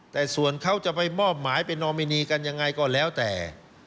แต่ส่วนเขาจะไปมอบหมายไปนอมินีกันยังไงก็แล้วแต่